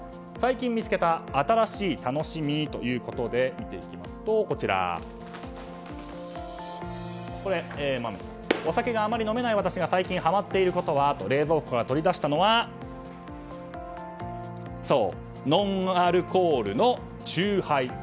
「最近見つけた新しい楽しみ」ということで見ていきますとお酒があまり飲めない私が最近はまっていることはと冷蔵庫から取り出したのはノンアルコールのチューハイ。